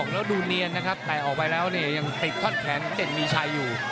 แล้วดูเนียนนะครับแต่ออกไปแล้วเนี่ยยังติดท่อนแขนของเด่นมีชัยอยู่